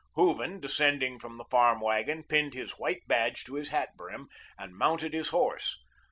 Hooven, descending from the farm wagon, pinned his white badge to his hat brim and mounted his horse.